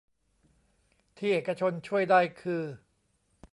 ที่เอกชนช่วยได้คือ